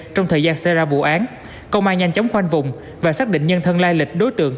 trong thời gian xảy ra vụ án công an nhanh chóng khoanh vùng và xác định nhân thân lai lịch đối tượng